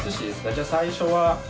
じゃあ最初は。